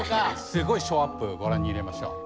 すごいショーアップご覧に入れましょう。